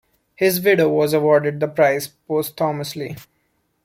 His widow was awarded the prize posthumously.